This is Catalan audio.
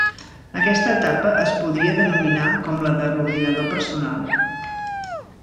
Aquesta etapa es podria denominar com la de l'ordinador personal.